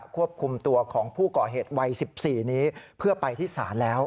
ควบคุมตัวของผู้ก่อเหตุวัย๑๔นี้เพื่อไปที่ศาลแล้ว